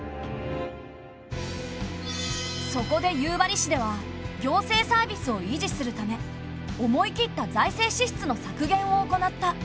そこで夕張市では行政サービスを維持するため思い切った財政支出の削減を行った。